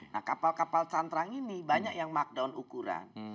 nah kapal kapal cantrang ini banyak yang markdown ukuran